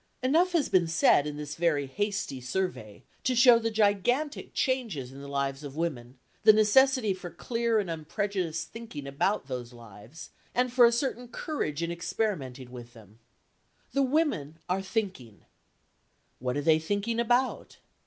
Enough has been said in this very hasty survey to show the gigantic changes in the lives of women, the necessity for clear and unprejudiced thinking about those lives, and for a certain courage in experimenting with them. The women are thinking. What are they thinking about?